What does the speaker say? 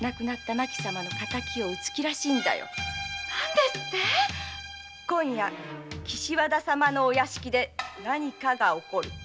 今夜岸和田様のお屋敷で何かが起こる。